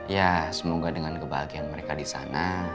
ya semoga dengan kebahagiaan mereka disana